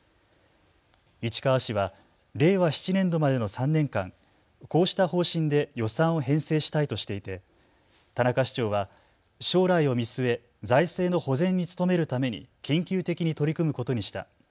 市川市は令和７年度までの３年間、こうした方針で予算を編成したいとしていて田中市長は将来を見据え財政の保全に努めるために緊急的に取り組むことにした。